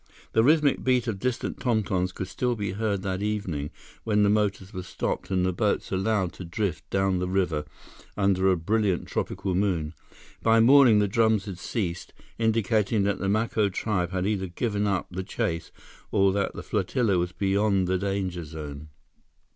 The rhythmic beat of distant tom toms could still be heard that evening, when the motors were stopped and the boats allowed to drift down the river under a brilliant tropical moon. By morning, the drums had ceased, indicating that the Maco tribe had either given up the chase or that the flotilla was beyond the danger zone.